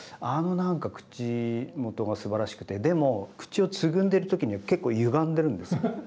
あの何か口元がすばらしくてでも口をつぐんでる時には結構ゆがんでるんです。